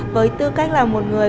với tư cách là một người